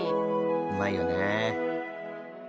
うまいよね。